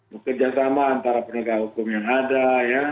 bekerja sama antara penegak hukum yang ada ya